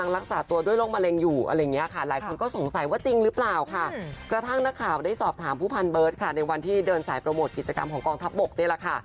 กระทั่งหน้าข่าวได้สอบถามผู้พันเบิร์ดในวันที่เดินสายโปรโมทกิจกรรมของกองทับบก